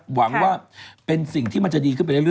หวังว่าเป็นสิ่งที่มันจะดีขึ้นไปเรื่อ